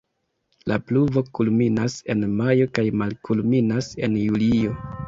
La pluvo kulminas en majo kaj malkulminas en julio.